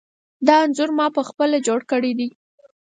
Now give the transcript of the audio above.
دا انځور ما پخپله جوړ کړی دی.